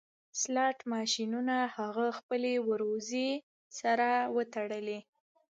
سلاټ ماشینونه هغه خپلې وروځې سره وتړلې